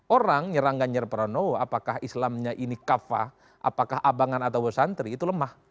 orang nyerang ganjar pranowo apakah islamnya ini kafah apakah abangan atau bersantri itu lemah